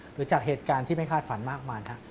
หรือจากเหตุการณ์ที่ไม่คาดฝันมากมายครับ